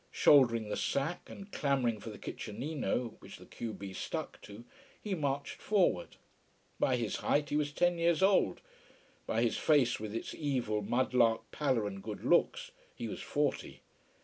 Shouldering the sack, and clamouring for the kitchenino which the q b stuck to, he marched forward. By his height he was ten years old: by his face with its evil mud lark pallor and good looks, he was forty.